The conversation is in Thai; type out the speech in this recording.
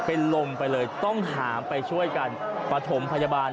เป็นลมไปเลยต้องหามไปช่วยกันประถมพยาบาล